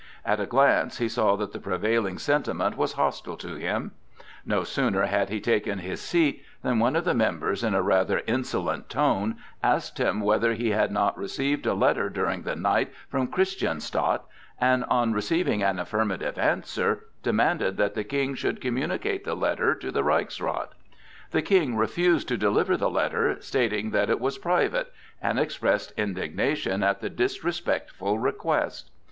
At a glance he saw that the prevailing sentiment was hostile to him. No sooner had he taken his seat than one of the members in a rather insolent tone asked him whether he had not received a letter during the night from Christianstadt, and on receiving an affirmative answer, demanded that the King should communicate the letter to the Reichsrath. The King refused to deliver the letter, stating that it was private, and expressed indignation at the disrespectful request.